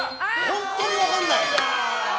本当に分からない。